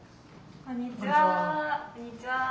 こんにちは。